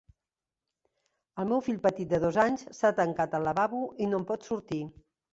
El meu fill petit de dos anys s'ha tancat al lavabo i no en pot sortir.